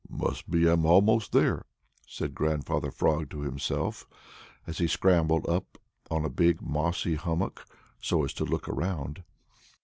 "Must be I'm most there," said Grandfather Frog to himself, as he scrambled up on a big mossy hummock, so as to look around.